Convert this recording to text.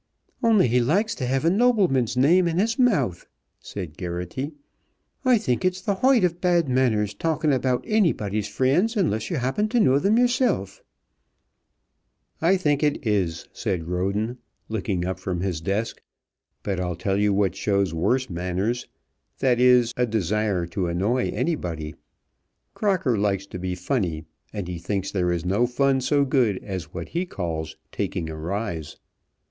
"Only he likes to have a nobleman's name in his mouth," said Geraghty. "I think it's the hoighth of bad manners talking about anybody's friends unless you happen to know them yourself." "I think it is," said Roden, looking up from his desk. "But I'll tell you what shows worse manners; that is, a desire to annoy anybody. Crocker likes to be funny, and he thinks there is no fun so good as what he calls taking a rise.